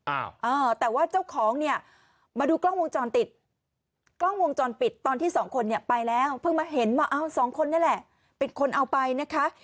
อ้าวเออแต่ว่าเจ้าของเนี่ยมาดูกล้องวงจรปิดกล้องวงจรปิดตอนที่สองคนเนี่ยไปแล้วเพิ่งมาเห็นว่าอ้าวสองคนนี่แหละปิดคนเอาไปนะคะ